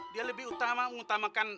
dia lebih utama mengutamakan